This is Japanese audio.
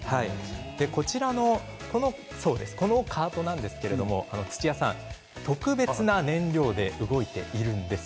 このカートなんですけど土屋さん特別な燃料で動いているんです。